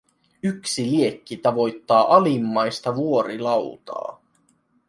Yksi liekki tavoittaa alimmaista vuorilautaa.